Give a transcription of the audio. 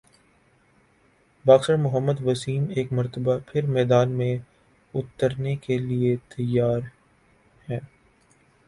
boxer Muhammad Wasim ایک مرتبہ پھر میدان میں اترنےکیلئے تیار ہیں